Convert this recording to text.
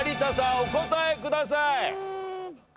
お答えください。